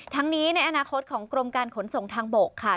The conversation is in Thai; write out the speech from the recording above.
ทั้งนี้ในอนาคตของกรมการขนส่งทางบกค่ะ